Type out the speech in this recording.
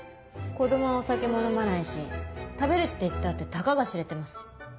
子供はお酒も飲まないし食べるっていったってたかが知れてます